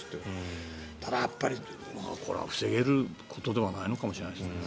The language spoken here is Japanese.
やっぱり防げることではないのかもしれないですね。